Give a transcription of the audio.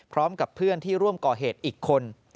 พร้อมกับเพื่อนที่ร่วมก่อเหตุอีกคน